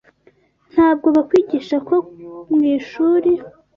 Ntabwo bakwigisha ko mwishuri.